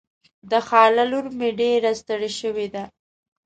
د خاله لور مې ډېره ستړې شوې ده.